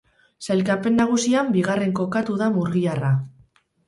Sailkapen nagusian bigarren kokatu da murgiarra.